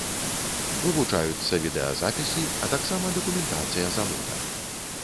Вывучаюцца відэазапісы, а таксама дакументацыя завода.